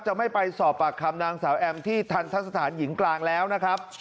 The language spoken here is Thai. ไม่ไปสอบปากคำนางสาวแอมที่ทันทะสถานหญิงกลางแล้วนะครับ